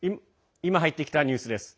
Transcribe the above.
今入ってきたニュースです。